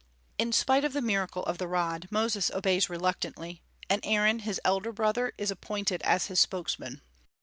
In spite of the miracle of the rod, Moses obeys reluctantly, and Aaron, his elder brother, is appointed as his spokesman.